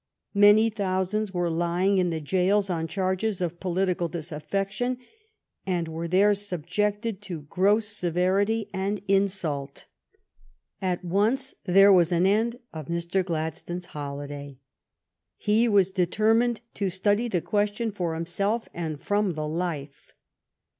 Many thousands were lying in the jails on charges of political disaffection, and were there subjected to gross severity and insult. At once there was an end of Mr. Gladstone's holiday. He was determined to study the question for him self, and from the life.